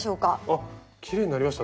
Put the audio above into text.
あきれいになりましたね。